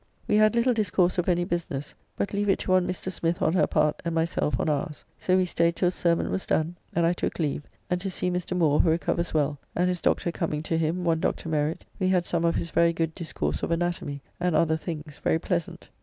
We had little discourse of any business, but leave it to one Mr. Smith on her part and myself on ours. So we staid till sermon was done, and I took leave, and to see Mr. Moore, who recovers well; and his doctor coming to him, one Dr. Merrit, we had some of his very good discourse of anatomy, and other things, very pleasant.